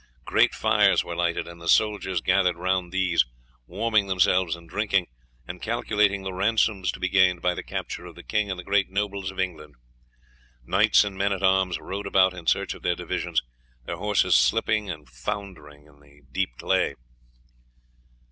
Great fires were lighted and the soldiers gathered round these, warming themselves and drinking, and calculating the ransoms to be gained by the capture of the king and the great nobles of England. Knights and men at arms rode about in search of their divisions, their horses slipping and floundering in the deep clay.